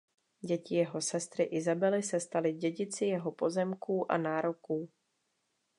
Děti jeho sestry Isabely se staly dědici jeho pozemků a nároků.